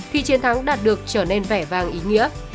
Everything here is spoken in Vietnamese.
khi chiến thắng đạt được trở nên vẻ vang ý nghĩa